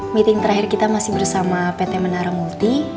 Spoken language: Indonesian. meeting terakhir kita masih bersama pt menara multi